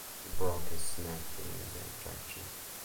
He broke his neck during the ejection.